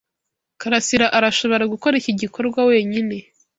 Karasira arashobora gukora iki gikorwa wenyine.